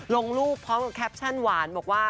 ลงรูปพร้อมกับแคปชั่นหวานบอกว่า